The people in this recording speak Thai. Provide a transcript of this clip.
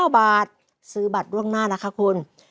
๙บาทซื้อบัตรล่วงหน้านะคะคุณ